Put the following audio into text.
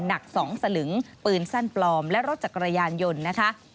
หนัก๒สลึงปืนสั้นปลอมและรถจักรยานยนต์นะคะ